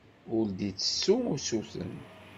Ur d-ittessu usuten.